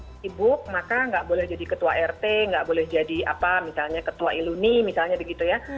kalau sibuk maka tidak boleh jadi ketua rt tidak boleh jadi ketua iluni misalnya begitu ya